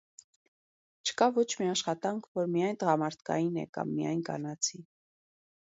Չկա ոչ մի աշխատանք, որ միայն տղամարդկային է, կամ միայն կանացի։